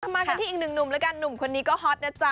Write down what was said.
มากันที่อีกหนึ่งหนุ่มแล้วกันหนุ่มคนนี้ก็ฮอตนะจ๊ะ